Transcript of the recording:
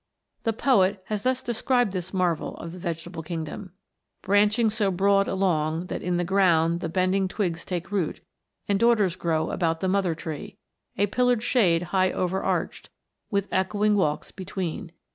The poet has thus described this marvel of the vegetable king dom :" Branching so broad along, that in the ground The bending twigs take root ; and daughters grow About the mother tree ; a pillared shade High over arched, with echoing walks between.